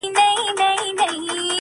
نو دغه نوري شپې بيا څه وكړمه.